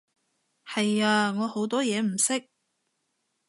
係啊，我好多嘢唔識